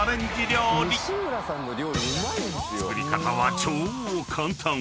［作り方は超簡単］